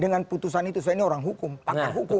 dengan putusan itu saya ini orang hukum pakar hukum